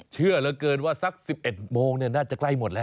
เชื่อเหลือเกินว่าสัก๑๑โมงน่าจะใกล้หมดแล้ว